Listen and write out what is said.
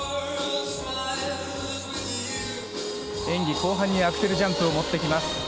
演技後半にアクセルジャンプをもってきます。